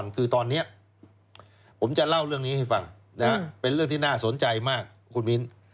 เป็นเรื่องที่น่าสนใจมากคุณมิน